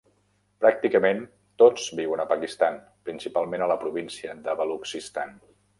Pràcticament tots viuen a Pakistan, principalment a la província de Balutxistan.